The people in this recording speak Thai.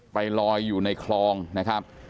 ไปลอยอยู่ในคลองนะครับ